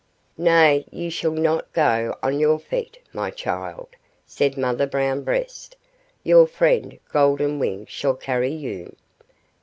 "Nay, you shall not go on your feet, my child," said Mother Brown Breast; "your friend Golden Wing shall carry you.